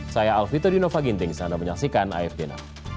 saya alfitri novaginting sana menyaksikan afdn